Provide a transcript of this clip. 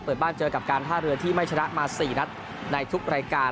เปิดบ้านเจอกับการท่าเรือที่ไม่ชนะมา๔นัดในทุกรายการ